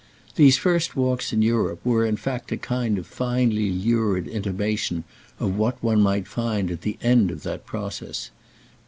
These first walks in Europe were in fact a kind of finely lurid intimation of what one might find at the end of that process.